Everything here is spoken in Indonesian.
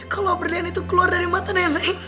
kalau berdiam itu keluar dari mata nek